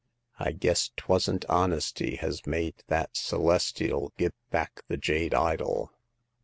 I guess 'twasn't honesty has made that Celestial give back the jade idol."